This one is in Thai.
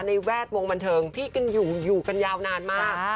ในแวดวงบรรเทิงที่อยู่อยู่กันยาวนานมาก